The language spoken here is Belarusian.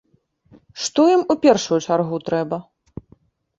Што ім у першую чаргу трэба?